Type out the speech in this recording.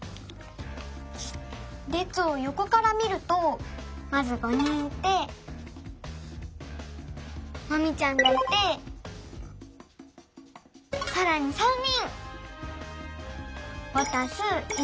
れつをよこからみるとまず５人いてマミちゃんがいてさらに３人！